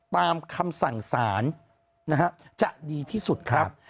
ตามคำสั่งสารนะฮะจะดีที่สุดครับ